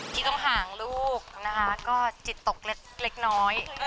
ที่ต้องห่างลูกนะคะก็จิตตกเล็กน้อย